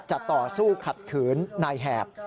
จะต่อสู้ขัดขืนนายแหบ